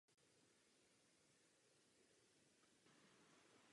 V době prvního obléhání Vídně Turky byl hrad obyvateli zachráněn.